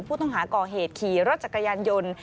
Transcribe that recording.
ผู้ต้องหาก่อเหตุขี่รถจักรยานยนต์